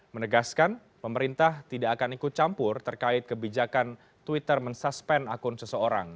menegaskan pemerintah tidak akan ikut campur terkait kebijakan twitter men suspend akun seseorang